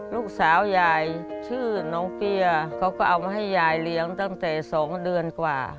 ลูกสาวยายชื่อน้องเปี้ยเขาก็เอามาให้ยายเลี้ยงตั้งแต่๒เดือนกว่า